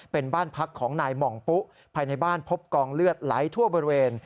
เป็นบ้านพักของนายหม่องปุ๊ภายในบ้านพบกองเลือดไหลทั่วบริเวณ